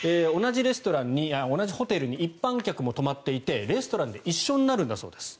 同じホテルに一般客も泊まっていてレストランで一緒になるんだそうです。